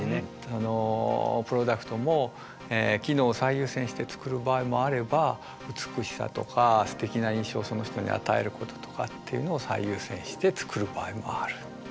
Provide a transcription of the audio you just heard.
あのプロダクトも機能を最優先して作る場合もあれば美しさとかすてきな印象をその人に与えることとかっていうのを最優先して作る場合もある。